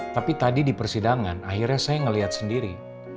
tapi tadi di persidangan akhirnya saya melihat sendiri